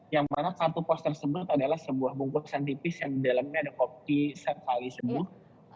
yang mana kartu pos tersebut adalah sebuah bungkusan tipis yang di dalamnya ada kopi servali sebut